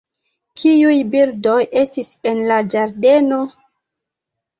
Kiuj birdoj estis en la ĝardeno?